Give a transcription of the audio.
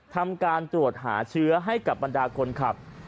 ทำการตรวจหาเชื้อให้กับบรรดาคนขับ